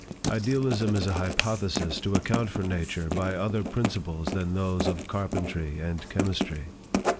Idealism is a hypothesis to account for nature by other principles than those of carpentry and chemistry.